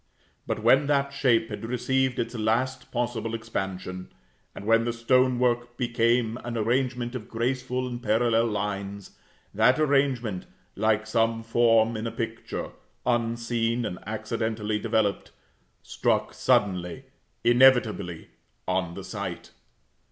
But when that shape had received its last possible expansion, and when the stone work became an arrangement of graceful and parallel lines, that arrangement, like some form in a picture, unseen and accidentally developed, struck suddenly, inevitably, on the sight.